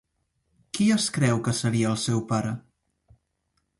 Qui es creu que seria el seu pare?